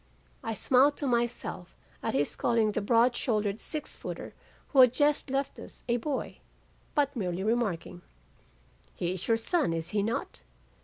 "I smiled to myself at his calling the broad shouldered six footer who had just left us a boy, but merely remarking, 'He is your son is he not!